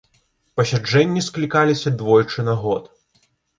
Пасяджэнні склікаліся двойчы на год.